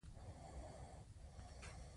دلته د کورنۍ سوداګرۍ په اړه بحث کوو